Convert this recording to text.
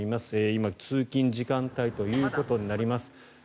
今、通勤時間帯ということになります。